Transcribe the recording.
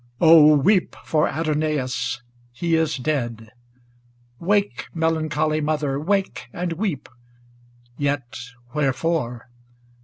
Ill Oh, weep for Adonais ŌĆö he is dead ! Wake, melancholy Mother, wake and weep ! Yet wherefore